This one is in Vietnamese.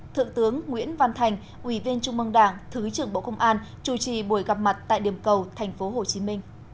thượng tướng nguyễn văn thành ủy viên trung mương đảng thứ trưởng bộ công an chủ trì buổi gặp mặt tại điểm cầu tp hcm